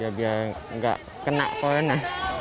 ya biar nggak kena corona